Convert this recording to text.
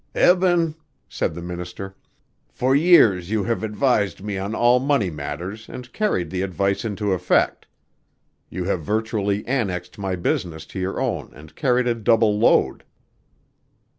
"Eben," said the minister, "for years you have advised me on all money matters and carried the advice into effect. You have virtually annexed my business to your own and carried a double load."